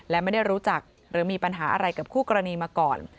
และไม่ได้รู้จักหรือมีปัญหาอะไรกับคู่กรณีมาก่อน